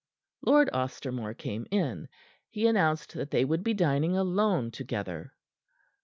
Lord Ostermore came in. He announced that they would be dining alone together.